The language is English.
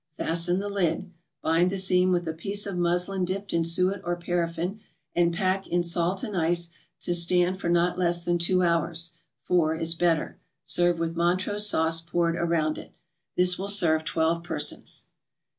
Fasten the lid, bind the seam with a piece of muslin dipped in suet or paraffin, and pack in salt and ice to stand for not less than two hours, four is better. Serve with Montrose Sauce poured around it. This will serve twelve persons.